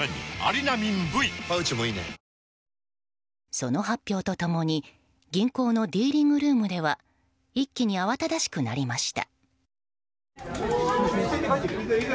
その発表と共に銀行のディーリングルームでは一気に慌ただしくなりました。